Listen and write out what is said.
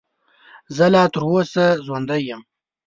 زه لا تر اوسه ژوندی یم .